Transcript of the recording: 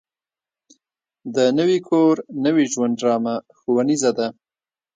د نوي کور نوي ژوند ډرامه ښوونیزه ده.